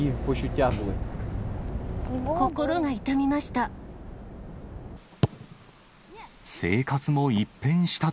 心が痛みました。